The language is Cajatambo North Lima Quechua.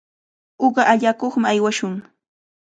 Uqa allakuqmi aywashun.